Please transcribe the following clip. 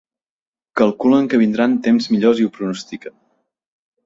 Calculen que vindran temps millors i ho pronostiquen.